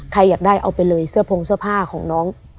อยากได้เอาไปเลยเสื้อพงเสื้อผ้าของน้อง